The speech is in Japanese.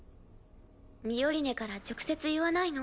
ミオリネから直接言わないの？